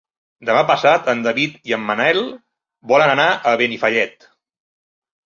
Demà passat en David i en Manel volen anar a Benifallet.